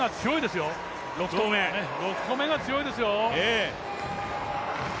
６投目が強いですよ。